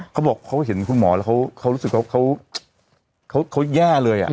เขาบอกเขาเห็นคุณหมอแล้วเขารู้สึกเขาแย่เลย